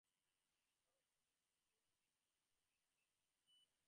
The number of figures per base also depends upon the figure's type.